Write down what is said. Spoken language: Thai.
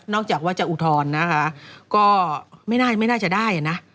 จากว่าจะอุทธรณ์นะคะก็ไม่น่าจะได้นะ